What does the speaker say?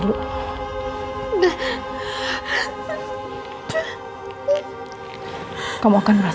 itu sombong sombongnya dari ketua jeam